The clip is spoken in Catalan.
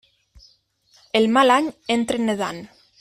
El mal any entra nedant.